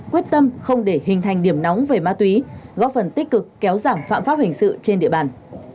quyết tâm không để hình thành điểm nóng về ma túy góp phần tích cực kéo giảm phạm pháp hình sự trên địa bàn